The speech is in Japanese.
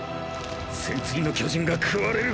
「戦鎚の巨人」が食われる。